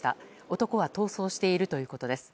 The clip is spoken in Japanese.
男は逃走しているということです。